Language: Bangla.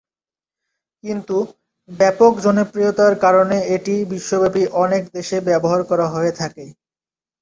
কিন্তু, ব্যাপক জনপ্রিয়তার কারণে এটি বিশ্বব্যাপী অনেক দেশে করা হয়ে থাকে।